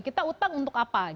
kita utang untuk apa